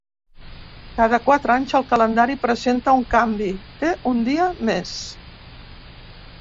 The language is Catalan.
Cada quatre anys, el calendari presenta un canvi: té un dia més.